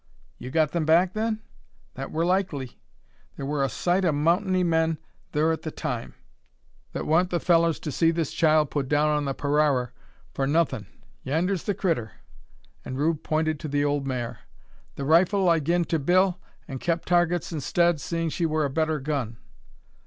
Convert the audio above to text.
"You got them back then?" "That wur likely. Thur wur a sight o' mountainy men thur, at the time, that wa'n't the fellurs to see this child put down on the parairar for nuthin'. Yander's the critter!" and Rube pointed to the old mare. "The rifle I gin to Bill, an' kep Tar guts instead, seeing she wur a better gun."